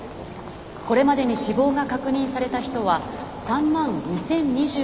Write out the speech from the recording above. これまでに死亡が確認された人は３万２，０２５人になりました。